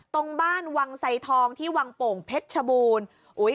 ตรงบ้านวังไสทองที่วังโป่งเพชรชบูรณ์